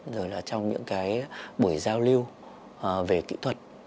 rồi là trong những cái buổi giao lưu về kỹ thuật